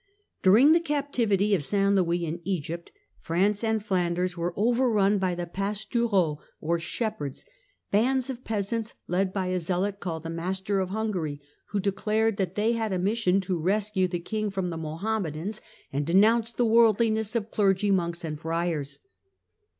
During the captivity of St Louis in Egypt, France and Flanders were overrun by the Pas The toureaux, or Shepherds, bands of peasants led by a zealot reaux called the " Master of Hungary," who declared that they had a mission to rescue the king from the Mohannuedans, 234 THE CENTRAL PERIOD OF THE MIDDLE AGE and denounced the worldliness of clergy, monks and friars.